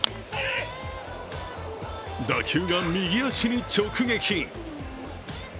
打球が右足に直撃。